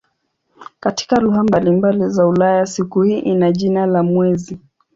Katika lugha mbalimbali za Ulaya siku hii ina jina la "mwezi".